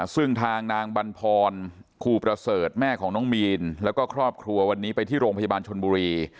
ซึ่งทางนางบรรพรครูประเสริฐแม่ของน้องมีนแล้วก็ครอบครัววันนี้ไปที่โรงพยาบาลชนบุรี